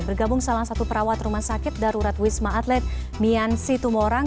bergabung salah satu perawat rumah sakit darurat wisma atlet mian situmorang